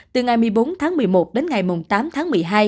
từ ngày một mươi bốn tháng một mươi một đến ngày tám tháng một mươi hai